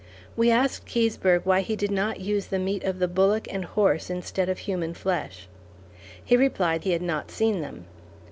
We asked Keseberg why he did not use the meat of the bullock and horse instead of human flesh. He replied he had not seen them.